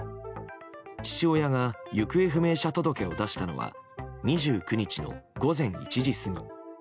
父親が行方不明者届を出したのは２９日の午前１時過ぎ。